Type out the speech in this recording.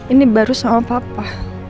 ini baru sama papa